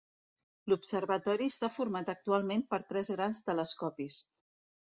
L'observatori està format actualment per tres grans telescopis.